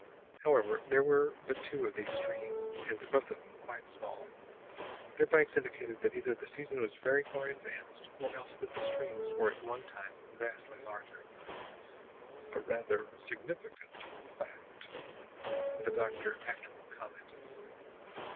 However, there were but two of these streams, and both of them quite small. Their banks indicated that either the season was very far advanced, or else that the streams were at one time vastly larger. "A rather significant fact," the doctor afterward commented.